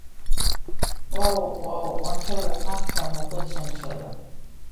ყვაო ყვაო ყვანჩალა აქ რამ მოგაჩანჩლა